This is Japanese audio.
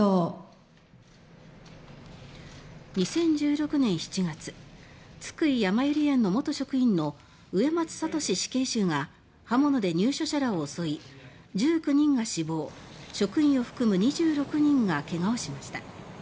２０１６年７月「津久井やまゆり園」の元職員の植松聖死刑囚が刃物で入所者らを襲い１９人が死亡職員を含む２６人が怪我をしました。